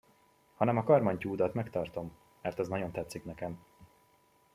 Hanem a karmantyúdat megtartom, mert az nagyon tetszik nekem!